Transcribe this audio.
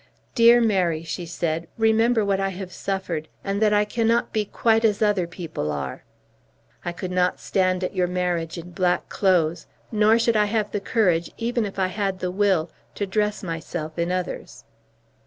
"Dear Mary," she said, "remember what I have suffered, and that I cannot be quite as other people are. I could not stand at your marriage in black clothes, nor should I have the courage even if I had the will to dress myself in others."